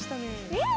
うん！